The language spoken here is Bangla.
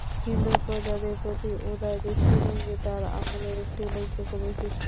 হিন্দু প্রজাদের প্রতি উদার দৃষ্টিভঙ্গি তার আমলের একটি উল্লেখযোগ্য বৈশিষ্ট্য।